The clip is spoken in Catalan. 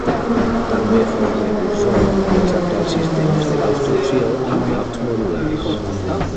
També fou precursor dels actuals sistemes de construcció amb blocs modulars.